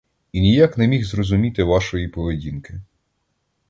І ніяк не міг зрозуміти вашої поведінки.